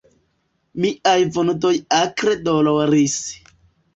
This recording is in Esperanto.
Miaj vundoj akre doloris.